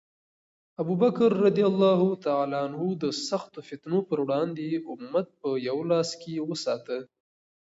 ابوبکر رض د سختو فتنو پر وړاندې امت په یو لاس کې وساته.